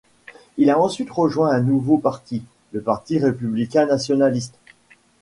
Il a ensuite rejoint un nouveau parti, le Parti républicain nationaliste.